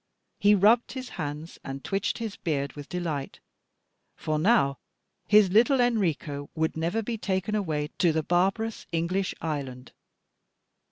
He rubbed his hands and twitched his beard with delight, for now his little Enrico would never be taken away to the barbarous English island.